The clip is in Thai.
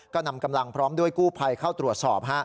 ก็นำกำลังพร้อมด้วยกู้ภัยเข้าตรวจสอบ